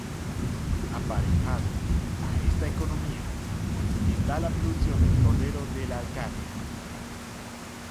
Aparejado a esta economía está la producción del cordero de la Alcarria.